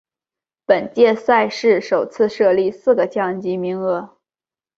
本届赛事首次设立四个降级名额。